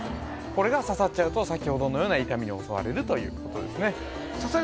これが刺さっちゃうと先ほどのような傷みに襲われるということですね